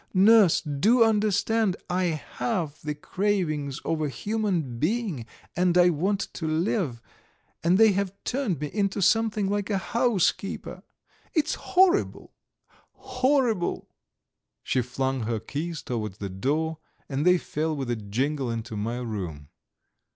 Nurse, do understand, I have the cravings of a human being, and I want to live, and they have turned me into something like a housekeeper. It's horrible, horrible!" She flung her keys towards the door, and they fell with a jingle into my room.